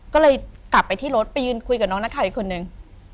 ก็เลยกลับไปที่รถไปยืนคุยกับน้องนักข่าวอีกคนนึง